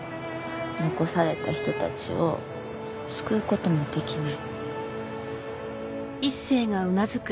残された人たちを救う事もできない。